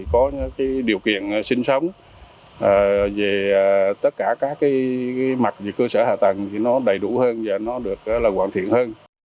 có điều kiện sinh sống về tất cả các mặt về cơ sở hạ tầng đầy đủ hơn và được hoàn thiện hơn